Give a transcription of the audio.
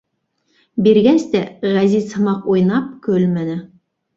Биргәс тә, Ғәзиз һымаҡ уйнап-көлмәне.